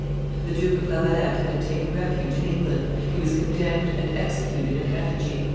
The Duke of La Valette had taken refuge in England: he was condemned and executed in effigy.